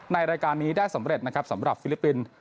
รายการนี้ได้สำเร็จนะครับสำหรับฟิลิปปินส์